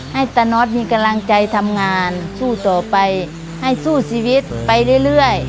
ตาน็อตมีกำลังใจทำงานสู้ต่อไปให้สู้ชีวิตไปเรื่อย